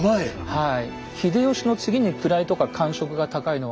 はい。